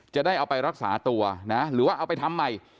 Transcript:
จะได้เอาไปรักษาตัวนะหรือว่าเอาไปทำใหม่